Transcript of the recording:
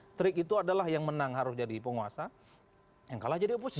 trik itu adalah yang menang harus jadi penguasa yang kalah jadi oposisi